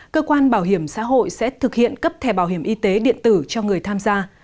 cơ quan bảo hiểm xã hội sẽ thực hiện cấp thẻ bảo hiểm y tế điện tử cho người tham gia